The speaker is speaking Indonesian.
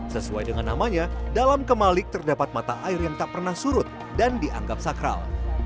sesuai dengan namanya dalam kemalik terdapat mata air yang tak pernah surut dan dianggap sakral